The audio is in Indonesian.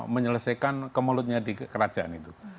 menyelesaikan kemelutnya di kerajaan itu